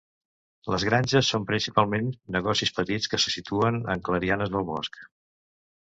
Les granges són principalment negocis petits que se situen en clarianes al bosc.